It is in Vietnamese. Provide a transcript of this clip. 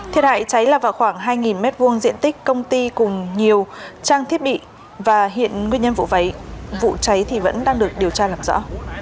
thiệt hại cháy là vào khoảng hai m hai diện tích công ty cùng nhiều trang thiết bị và hiện nguyên nhân vụ cháy vẫn đang được điều tra làm rõ